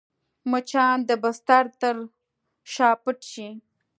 مچان د بستر تر شا پټ شي